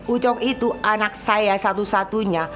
ucok itu anak saya satu satunya